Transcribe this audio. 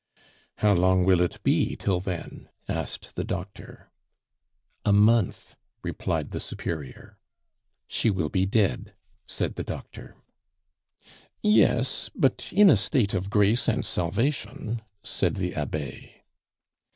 "How long will it be till then?" asked the doctor. "A month," replied the Superior. "She will be dead," said the doctor. "Yes, but in a state of grace and salvation," said the Abbe.